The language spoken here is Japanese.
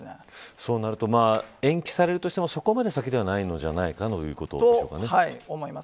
そうなると、延期されるとしても、そこまで先ではないんではないかということですかね。